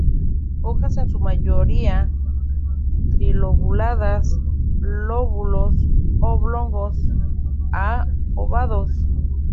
Hojas en su mayoría trilobuladas, lóbulos oblongos a obovados.